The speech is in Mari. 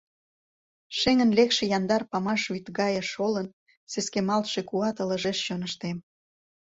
Шеҥын лекше яндар Памаш вӱд гае шолын, Сескемалтше куат Ылыжеш чоныштем.